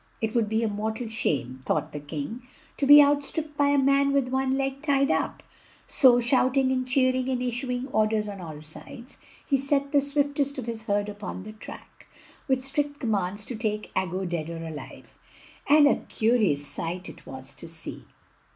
It would be a mortal shame, thought the king, to be outstripped by a man with one leg tied up; so, shouting and cheering and issuing orders on all sides, he set the swiftest of his herd upon the track, with strict commands to take Aggo dead or alive. And a curious sight it was to see.